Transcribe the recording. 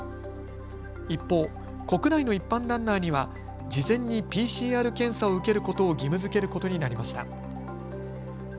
一方、国内の一般ランナーには事前にＰＣＲ検査を受けることを義務づけることになりました。